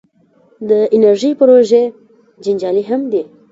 د انرژۍ پروژې جنجالي هم دي.